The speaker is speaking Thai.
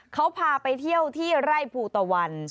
เขาพาไปเที่ยวที่ไร่ภูตะวัน